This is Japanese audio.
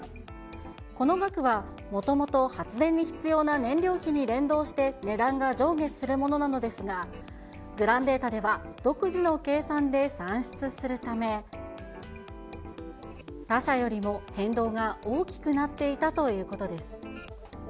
この額は、もともと発電に必要な燃料費に連動して、値段が上下するものなのですが、グランデータでは独自の計算で算出するため、他社よりも変動が大きくなっていたということです。